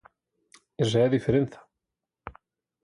Esa é a diferenza.